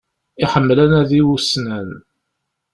Iḥemmel anadi ussnan.